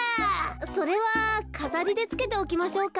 それはかざりでつけておきましょうか。